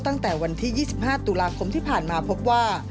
ตั้งแต่วันที่๒๕ตุลาคมที่ผ่านมาพบว่า